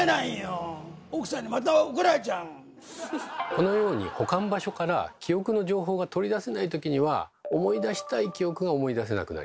このように保管場所から記憶の情報が取り出せないときには思い出したい記憶が思い出せなくなります。